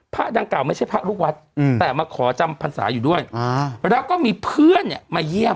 พระดังกล่าไม่ใช่พระลูกวัดแต่มาขอจำพรรษาอยู่ด้วยแล้วก็มีเพื่อนเนี่ยมาเยี่ยม